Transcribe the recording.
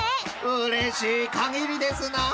［うれしいかぎりですな］